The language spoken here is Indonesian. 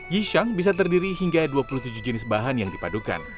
yishang bisa terdiri hingga dua puluh tujuh jenis bahan yang dipadukan